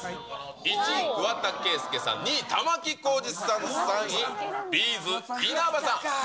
１位、桑田佳祐さん、２位、玉置浩二さん、３位、Ｂ’ｚ・稲葉さん。